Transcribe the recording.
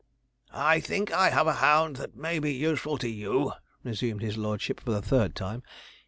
'"I think I have a hound that may be useful to you "' resumed his lordship, for the third time.